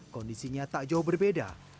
kondisinya tak jauh berbeda